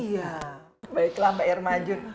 iya baiklah mbak irma jun